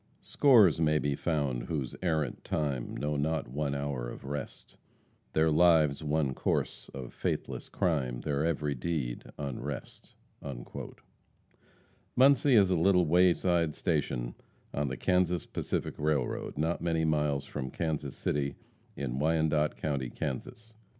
"Scores may be found whose errant time Know not one hour of rest; Their lives one course of faithless crime, Their every deed unrest." Muncie is a little wayside station on the Kansas Pacific Railroad, not many miles from Kansas City, in Wyandotte county, Kansas.